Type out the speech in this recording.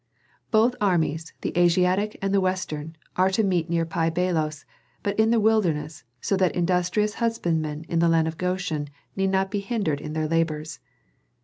"Both armies, the Asiatic and the Western, are to meet near Pi Bailos, but in the wilderness, so that industrious husbandmen in the land of Goshen be not hindered in their labors.